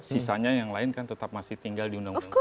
sisanya yang lain kan tetap masih tinggal di undang undang